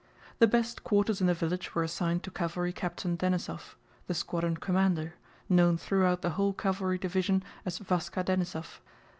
The best quarters in the village were assigned to cavalry captain Denísov, the squadron commander, known throughout the whole cavalry division as Váska Denísov.